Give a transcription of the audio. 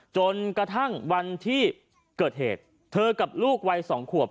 จนกระทั่งวันที่เกิดเหตุเธอกับลูกวัย๒ขวบ